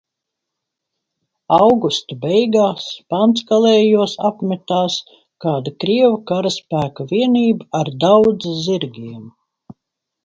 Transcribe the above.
"Augusta beigās "Palckalējos" apmetās kāda krievu karaspēka vienība ar daudz zirgiem."